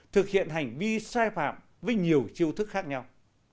thực hiện hành vi sai phạm với nhiều chiêu thức khác nhau